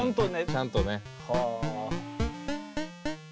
ちゃんとね。